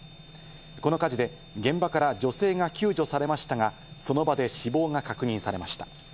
この火事で現場から女性が救助されましたが、その場で死亡が確認されました。